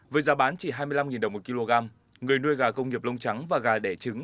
với giá bán chỉ hai mươi năm đồng một kg người nuôi gà công nghiệp lông trắng và gà đẻ trứng